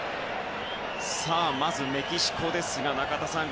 まずメキシコですが中田さん